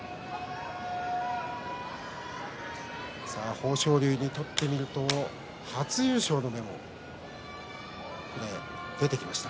豊昇龍にとってみると初優勝の目も出てきました。